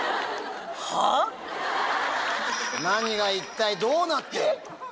何が一体どうなってる？